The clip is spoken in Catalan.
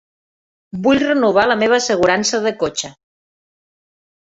Vull renovar la meva assegurança de cotxe.